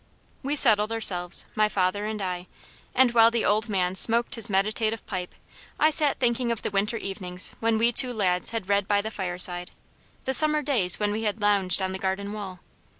We settled ourselves, my father and I; and while the old man smoked his meditative pipe I sat thinking of the winter evenings when we two lads had read by the fire side; the summer days when we had lounged on the garden wall.